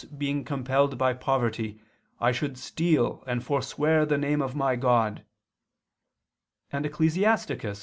being compelled by poverty, I should steal and forswear the name of my God," and Ecclus.